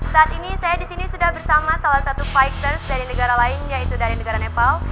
saat ini saya disini sudah bersama salah satu fighters dari negara lain yaitu dari negara nepal